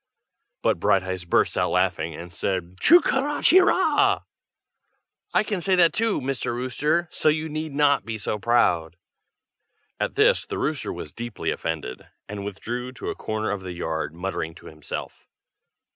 but Brighteyes burst out laughing, and said "Chook a raw che raw! I can say that too, Mr. Rooster, so you need not be so proud." At this the rooster was deeply offended, and withdrew to a corner of the yard, muttering to himself.